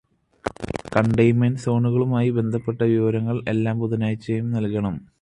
Containment സോണുകളുമായി ബന്ധപ്പെട്ട വിവരങ്ങള് എല്ലാ ബുധനാഴ്ചയും നൽകണം.